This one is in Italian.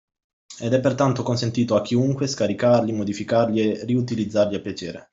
Ed è pertanto consentito a chiunque scaricarli, modificarli e riutilizzarli a piacere